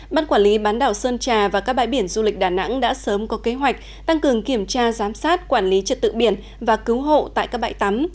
ban quản lý bán đảo sơn trà và các bãi biển du lịch đà nẵng đã sớm có kế hoạch tăng cường kiểm tra giám sát quản lý trật tự biển và cứu hộ tại các bãi tắm